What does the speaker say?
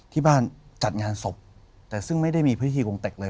ที่บ้านจัดงานศพแต่จะไม่ได้พฤทธิกรงเต็กเลย